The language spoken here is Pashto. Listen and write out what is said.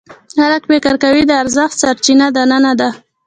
خلک فکر کوي د ارزښت سرچینه دننه ده.